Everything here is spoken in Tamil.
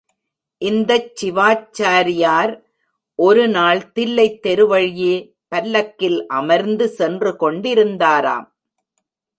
இந்தச் சிவாச்சாரியார் ஒருநாள் தில்லைத் தெருவழியே பல்லக்கில் அமர்ந்து சென்று கொண்டிருந்தாராம்.